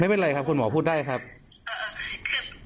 ไม่เป็นไรครับคุณหมอพูดได้ครับ